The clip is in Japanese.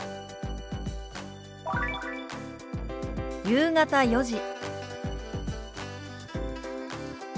「夕方４時」。